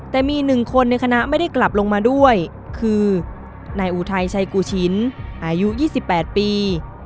แต่มีหนึ่งคนในคณะไม่ได้กลับลงมาด้วยคือนายอูไทยชายกูชินอายุยี่สิบแปดปี